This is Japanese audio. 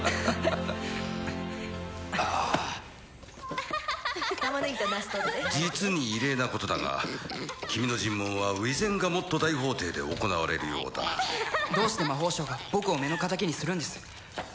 ああタマネギとナス取って実に異例なことだが君の尋問はウィゼンガモット大法廷で行われるようだどうして魔法省が僕を目の敵にするんです？